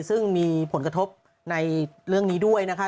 ซึ่งมีผลกระทบในเรื่องนี้ด้วยนะคะ